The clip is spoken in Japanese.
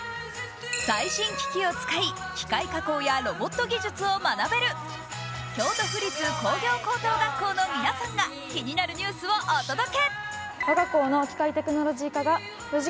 最新機器を使い機械加工やロボット技術を学べる京都府立工業高等学校の皆さんが気になるニュースをお届け！